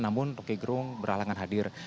namun rokigrung beralangan hadir